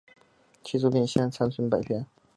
其作品现仅存残篇。